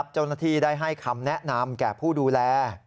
เจ้าหน้าที่ได้ให้คำแนะนำแก่ผู้ดูแล